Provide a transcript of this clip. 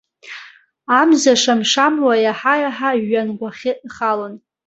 Амза шамшамуа иаҳа-иаҳа жәҩангәахьы ихалон.